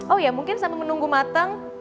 oh ya mungkin sambil menunggu matang